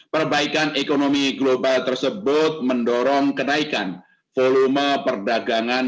perbaikan ekonomi global tersebut mendorong kenaikan volume perdagangan